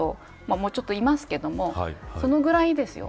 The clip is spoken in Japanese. もうちょっと、いますけどそのぐらいですよ。